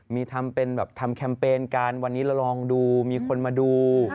มีทำเป็นแบบทำแคมเปญกันวันนี้เราลองดูมีคนมาดู